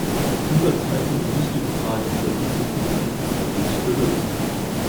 Die übergreifende und wichtige Frage in der Visumpolitik ist also nicht gelöst.